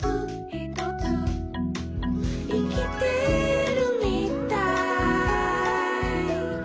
「いきてるみたい」